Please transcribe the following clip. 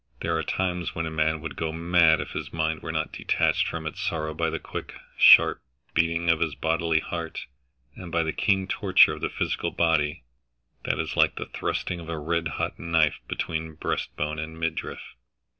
There are times when a man would go mad if his mind were not detached from its sorrow by the quick, sharp beating of his bodily heart, and by the keen torture of the physical body, that is like the thrusting of a red hot knife between breastbone and midriff.